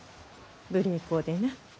無礼講でな。